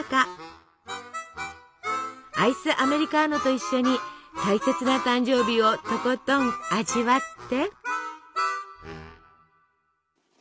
アイスアメリカーノと一緒に大切な誕生日をとことん味わって！